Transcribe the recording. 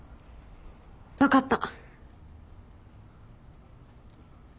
分かった。